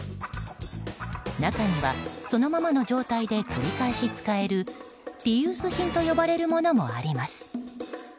中には、そのままの状態で繰り返し使えるリユース品と呼ばれるものもあります。